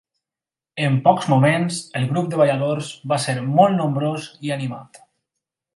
En pocs moments el grup de balladors va ser força nombrós i animat.